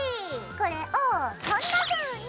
これをこんなふうに！